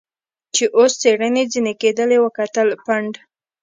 چې اوس څېړنې ځنې کېدلې وکتل، پنډ.